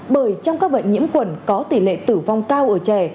bởi trong các bệnh nhiễm khuẩn có tỷ lệ tử vong cao ở trẻ